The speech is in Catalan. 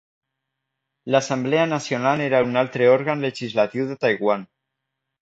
L'Assemblea Nacional era un altre òrgan legislatiu de Taiwan.